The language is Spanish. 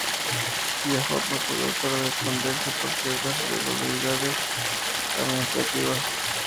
Viajó a Portugal para esconderse por ciertas irregularidades administrativas.